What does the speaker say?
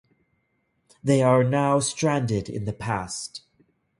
They are now stranded in the past.